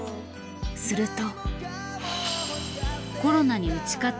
すると。